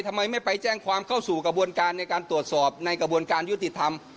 ทำไมไม่ไปแจ้งความเข้าสู่กระบวนการในการตรวจสอบในกระบวนการยุติธรรม